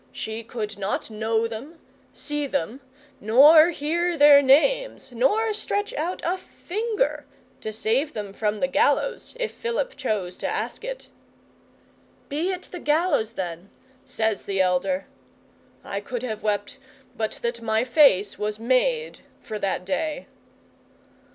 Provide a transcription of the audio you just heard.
She could not know them, see them, nor hear their names, nor stretch out a finger to save them from the gallows, if Philip chose to ask it. '"Be it the gallows, then," says the elder. (I could have wept, but that my face was made for the day.)